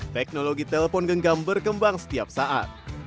teknologi telpon genggam berkembang setiap saat